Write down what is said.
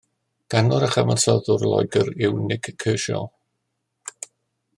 Canwr a chyfansoddwr o Loegr yw Nik Kershaw.